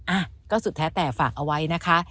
อ่ะก็สุดแท้แต่ฝากเอาไว้นะคะ